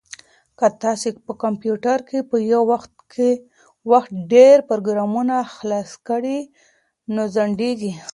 که تاسي په کمپیوټر کې په یو وخت ډېر پروګرامونه خلاص کړئ نو ځنډیږي.